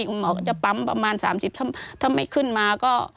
คุณหมอก็จะปั๊มประมาณ๓๐ถ้าไม่ขึ้นมาก็